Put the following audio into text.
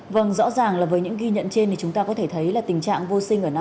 vâng rõ ràng là với những ghi nhận trên thì chúng ta có thể thấy là tình trạng vô sinh ở năm